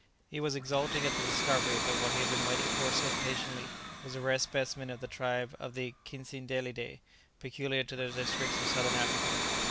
He was exulting at the discovery that what he had been waiting for so patiently was a rare specimen of the tribe of the Cicindelidæ, peculiar to the districts of Southern Africa.